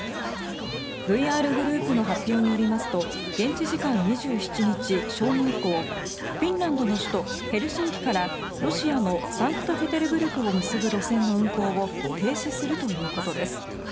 ＶＲグループの発表によりますと現地時間２７日正午以降フィンランドの首都ヘルシンキからロシアのサンクトペテルブルクを結ぶ路線の運行を停止するということです。